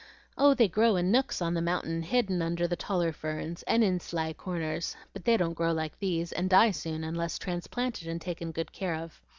"Oh, they grow in nooks on the mountain hidden under the taller ferns, and in sly corners. But they don't grow like these, and die soon unless transplanted and taken good care of.